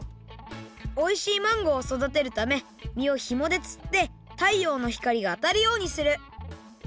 おいしいマンゴーをそだてるためみをひもでつってたいようのひかりがあたるようにする。